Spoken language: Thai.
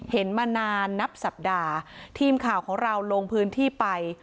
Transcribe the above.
เห็นมานานนับสัปดาห์ทีมข่าวของเราลงพื้นที่ไป